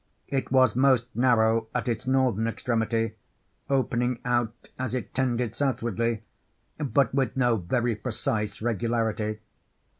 It was most narrow at its northern extremity, opening out as it tended southwardly, but with no very precise regularity.